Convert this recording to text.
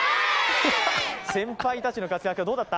先輩たちの活躍はどうだった？